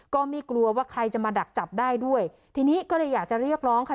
ก็ไม่กลัวว่าใครจะมาดักจับได้ด้วยทีนี้ก็เลยอยากจะเรียกร้องค่ะ